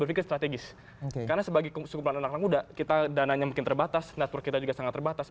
berpikir strategis karena sebagai sukuplan anak anak muda kita dananya mungkin terbatas network kita juga sangat terbatas